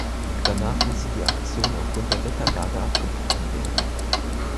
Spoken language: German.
Danach musste die Aktion aufgrund der Wetterlage abgebrochen werden.